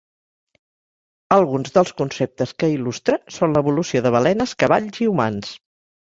Alguns dels conceptes que il·lustra són l'evolució de balenes, cavalls i humans.